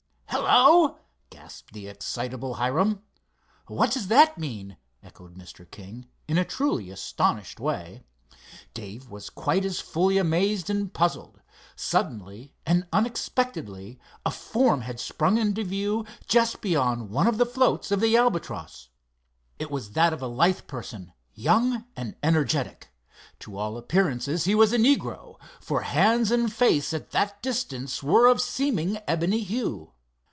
"Hello!" gasped the excitable Hiram. "What does that mean?" echoed Mr. King, in a truly astonished way. Dave was quite as fully amazed and puzzled. Suddenly and unexpectedly a form had sprung into view just beyond one of the floats of the Albatross. It was that of a lithe person, young and energetic. To all appearance he was a negro, for hands and face at that distance were of seeming ebony hue.